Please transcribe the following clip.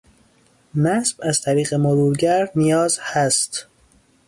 نصب از طریق مرورگر نیاز هست